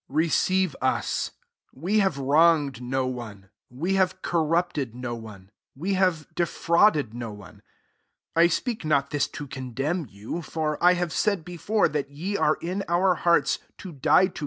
2 Receive us : we have wronged no one ; we have cor rupted no one, we have de frauded no one. 3 I speak not this to condemn you: for I have said before, that ye are in our hearts, to die together • See 1 Cor.